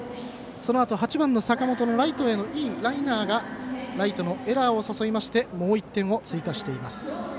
そのあと８番、坂本のいいライナーがライトのエラーを誘いましてもう１点を追加しています。